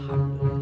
saat ko pa ubah